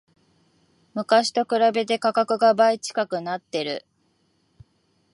昔と比べて価格が倍近くなってる